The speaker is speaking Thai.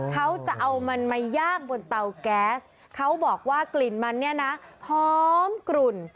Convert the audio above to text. เขาจะเอามันมาย่างบนเตาแก๊สเขาบอกว่ากลิ่นมันเนี่ยนะหอมกลุ่น